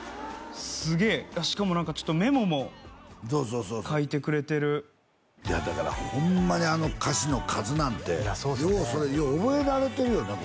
すげえしかも何かちょっとメモもそうそうそうそう書いてくれてるいやだからホンマにあの歌詞の数なんてようそれよう覚えられてるよね